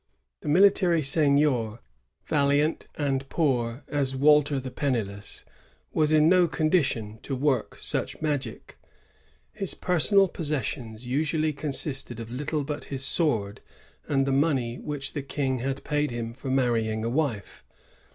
The rtiilitaiy seignior, valiant and poor as Walter the Penniless, was in no condition to work such magic. His {K^rsonal possessions usually consisted of little but his sword and the money wliich the King had jMiid him for marrying a wife.